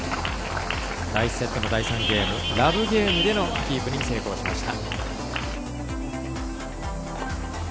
第１セットの第３ゲームラブゲームでのキープに成功しました。